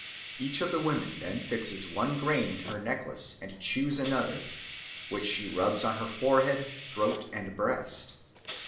Each of the women then fixes one grain in her necklace and chews another, which she rubs on her forehead, throat, and breast.